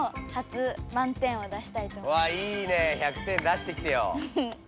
わいいね１００点出してきてよ。